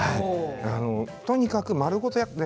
とにかく丸ごと。